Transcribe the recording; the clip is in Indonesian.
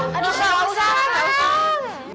kang usah usah kang